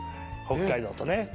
北海道とね。